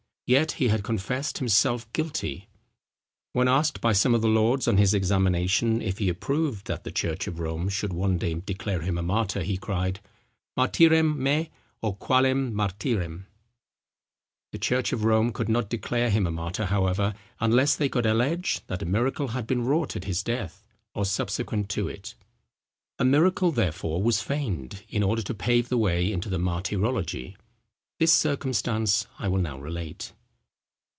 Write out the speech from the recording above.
Yet he had confessed himself guilty. When asked by some of the lords on his examination, if he approved that the church of Rome should one day declare him a martyr, he cried, Martyrem me, O qualem Martyrem. The church of Rome could not declare him a martyr however, unless they could allege that a miracle had been wrought at his death, or subsequent to it. A miracle therefore was feigned, in order to pave the way into the martyrology. This circumstance I will now relate.